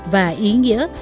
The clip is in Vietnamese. và ý nghĩa